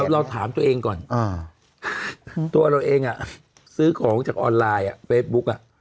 เราถามตัวเองก่อนตัวเราเองซื้อของจากออนไลน์เฟซบุ๊ก